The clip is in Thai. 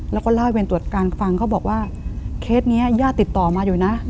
แล้วก็เล่าให้เวรตรวจการฟังเขาบอกว่าเคสนี้ญาติติดต่อมาอยู่นะ